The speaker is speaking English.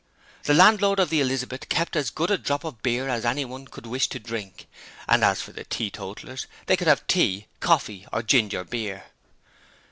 The landlord of the Elizabeth kept as good a drop of beer as anyone could wish to drink, and as for the teetotallers, they could have tea, coffee or ginger beer.